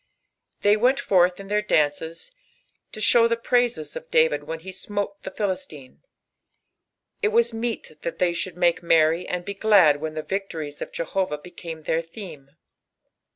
They ivtiii forth in their fiances to sing tlie praises cf Daoid jchen he smote the Philisliae, il was meet that they should taake merry and be glad uhen tha inctories of Jehovah became their theme.